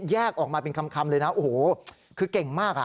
ออกมาเป็นคำเลยนะโอ้โหคือเก่งมากอ่ะ